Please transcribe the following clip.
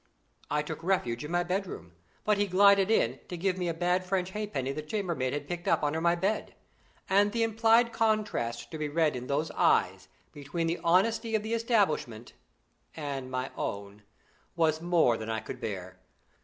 I took refuge in my bedroom, but he glided in to give me a bad French halfpenny the chambermaid had picked up under my bed; and the implied contrast to be read in those eyes, between the honesty of the establishment and my own, was more than I could bear.